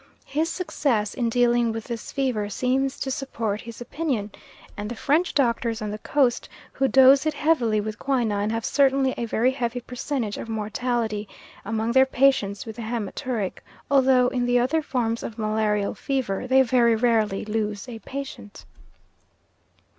His success in dealing with this fever seems to support his opinion; and the French doctors on the Coast, who dose it heavily with quinine, have certainly a very heavy percentage of mortality among their patients with the haematuric, although in the other forms of malarial fever they very rarely lose a patient.